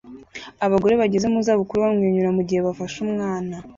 Abagore bageze mu zabukuru bamwenyura mugihe bafashe umwana